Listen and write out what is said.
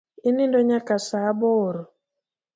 Inindo nyaka saa aboro?